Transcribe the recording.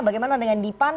bagaimana dengan dipan